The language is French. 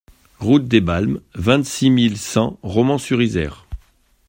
Route des Balmes, vingt-six mille cent Romans-sur-Isère